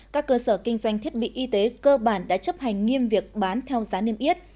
các cơ sở kinh doanh thiết bị y tế cơ bản đã chấp hành nghiêm việc bán theo giá niêm yết